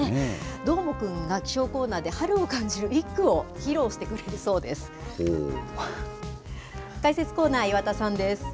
どーもくんが気象コーナーで、春を感じる一句を披露してくれるそうです。